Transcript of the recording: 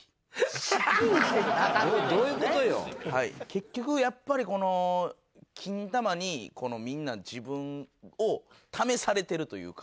結局やっぱりこのキンタマにみんな自分を試されてるというか。